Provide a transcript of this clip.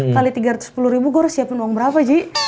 kali rp tiga ratus sepuluh gue harus siapin uang berapa ji